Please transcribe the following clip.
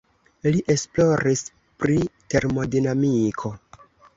Li esploris pri termodinamiko.